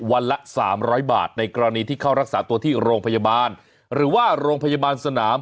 ละ๓๐๐บาทในกรณีที่เข้ารักษาตัวที่โรงพยาบาลหรือว่าโรงพยาบาลสนาม